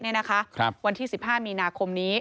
นั้นนะคะระยะเวลา๑๕มีนาคม